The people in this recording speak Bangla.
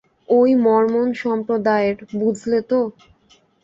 ওই মর্মন সম্প্রদায়ের, বুঝলে তো।